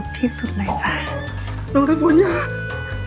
พี่ถึกจ้าชายหญิงอยู่ในห้องด้วยกันซะ